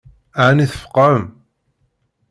Ɛni tfeqɛem?